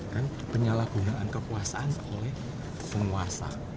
kan penyalahgunaan kekuasaan oleh penguasa